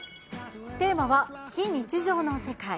テーマは非日常の世界。